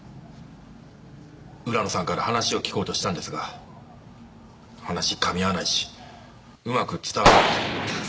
浦野さんから話を聞こうとしたんですが話かみ合わないしうまく伝わらなくて。